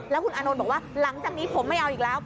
แล้วคุณอานนท์บอกว่าหลังจากนี้ผมไม่เอาอีกแล้ว